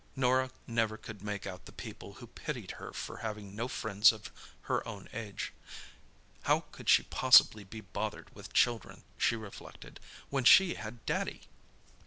Norah never could make out the people who pitied her for having no friends of her own age. How could she possibly be bothered with children, she reflected, when she had Daddy?